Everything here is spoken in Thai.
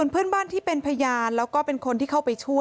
เนื่องจากนี้ไปก็คงจะต้องเข้มแข็งเป็นเสาหลักให้กับทุกคนในครอบครัว